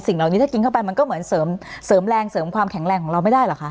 สิ่งเหล่านี้ถ้ากินเข้าไปมันก็เหมือนเสริมความแข็งแรงของเราไม่ได้หรอกคะ